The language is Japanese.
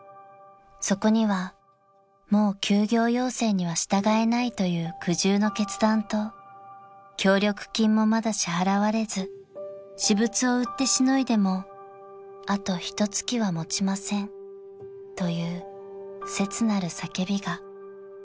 ［そこにはもう休業要請には従えないという苦渋の決断と協力金もまだ支払われず私物を売ってしのいでもあとひと月は持ちませんという切なる叫びが］